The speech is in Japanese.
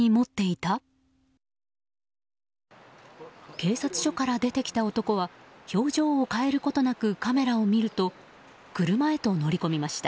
警察署から出てきた男は表情を変えることなくカメラを見ると車へと乗り込みました。